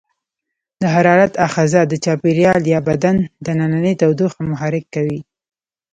د حرارت آخذه د چاپیریال یا بدن دننۍ تودوخه محرک کوي.